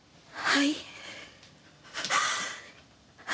はい。